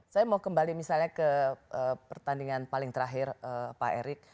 saya mau kembali misalnya ke pertandingan paling terakhir pak erik